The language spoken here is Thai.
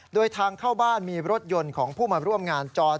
โดยทางเข้าบ้านมีรถยนต์ของผู้มาร่วมงานจอด